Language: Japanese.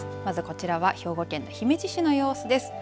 まず、こちらは兵庫県の姫路市の様子です。